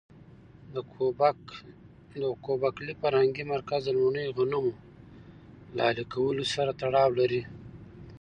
د ګوبک لي فرهنګي مرکز د لومړنیو غنمو له اهلي کولو سره تړاو لري.